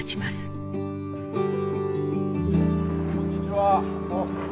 あっこんにちは。